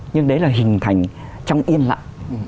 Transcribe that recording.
nhưng đấy là hình thành trong yên lặng